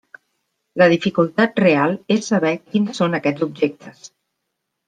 La dificultat real és saber quins són aquests objectes.